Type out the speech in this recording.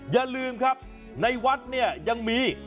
อย่าลืมครับในวัดเนี่ยยังมี